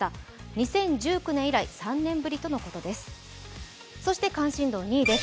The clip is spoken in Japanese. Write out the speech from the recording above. ２０１９年以来、３年ぶりとのことです。